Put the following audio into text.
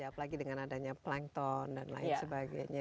apalagi dengan adanya plankton dan lain sebagainya